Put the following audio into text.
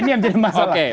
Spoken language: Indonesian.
ini yang jadi masalah